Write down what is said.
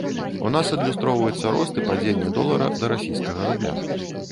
У нас адлюстроўваецца рост і падзенне долара да расійскага рубля.